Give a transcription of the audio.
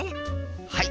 はい！